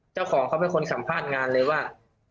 เจ้าของเขาเป็นคนสัมภาษณ์งานเลยว่า